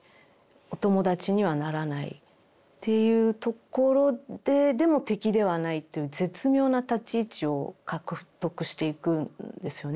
お友達にはならないっていうところででも敵ではないという絶妙な立ち位置を獲得していくんですよね